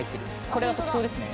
これが特徴ですね。